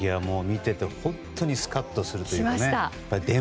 見てて本当にスカッとするというかね。